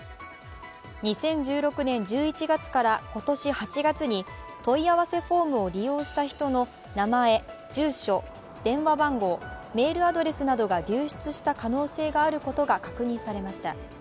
２０１６年１１月から今年８月に問い合わせフォームを利用した人の名前、住所、電話番号、メールアドレスなどが流出した可能性があることが確認されました。